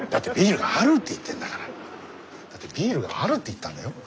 ビールがあるって言ったんだよ。